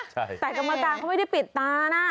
แต่กรรมการเขาไม่ได้ปิดตานะ